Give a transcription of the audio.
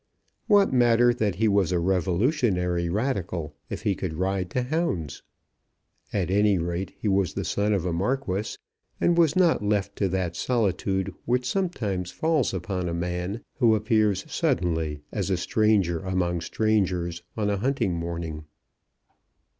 What matter that he was a revolutionary Radical if he could ride to hounds? At any rate, he was the son of a Marquis, and was not left to that solitude which sometimes falls upon a man who appears suddenly as a stranger among strangers on a hunting morning.